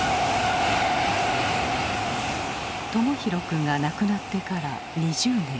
朋宏くんが亡くなってから２０年。